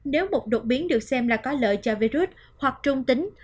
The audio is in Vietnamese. nếu một đột biến được xem là có lợi cho virus hoặc trung tính